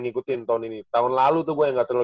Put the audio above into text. ngikutin tahun ini tahun lalu tuh gue gak terlalu